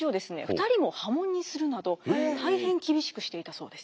２人も破門にするなど大変厳しくしていたそうです。